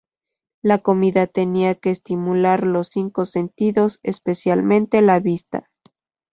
La comida tenía que estimular los cinco sentidos, especialmente la vista.